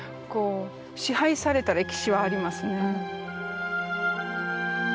支配された歴史はありますね。